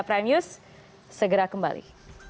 prime news segera kembali